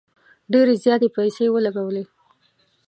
ډیري زیاتي پیسې ولګولې.